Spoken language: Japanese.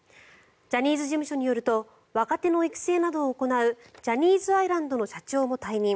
ジャニーズ事務所によると若手の育成などを行うジャニーズアイランドの社長も退任。